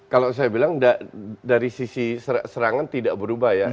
kalau saya bilang dari sisi serangan tidak berubah ya